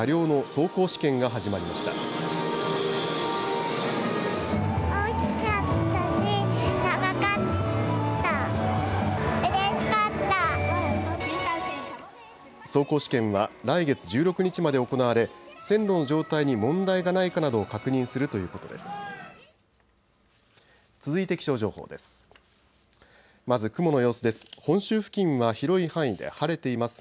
走行試験は来月１６日まで行われ線路の状態に問題がないかなどを確認するということです。